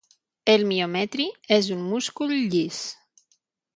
El miometri és un múscul llis.